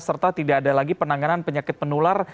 serta tidak ada lagi penanganan penyakit penular